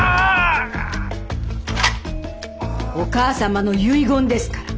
お義母様の遺言ですから。